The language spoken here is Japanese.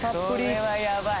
これはやばい。